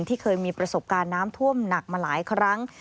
ที่เคยมีประสบการณ์น้ำท่วมหนักมาหลายครั้ง